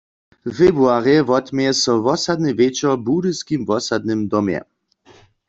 W februarje wotměje so wosadny wječor w Budyskim wosadnym domje.